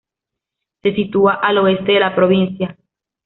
Se sitúa al oeste de la provincia.